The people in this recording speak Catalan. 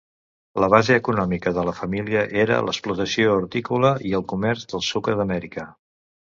La base econòmica de la família era l'explotació hortícola i el comerç del sucre d'Amèrica.